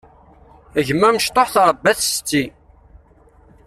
Gma abesṭuḥ tṛebba-t setti.